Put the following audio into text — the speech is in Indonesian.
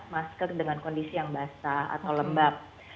masker dengan kondisi yang basah atau lembab